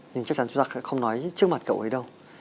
nhưng chắc chắn chúng ta không nói trước mặt cậu ấy đâu